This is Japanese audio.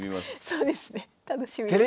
そうですね楽しみです。